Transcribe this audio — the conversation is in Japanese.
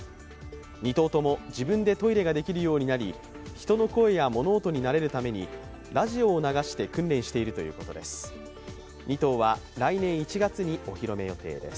２頭とも自分でトイレができるようになり人の声や物音に慣れるために、ラジオを流して訓練しているということです。